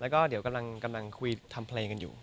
แล้วก็เดี๋ยวกำลังคุยทำเพลงกันอยู่